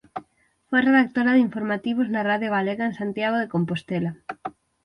Foi redactora de informativos na Radio Galega en Santiago de Compostela.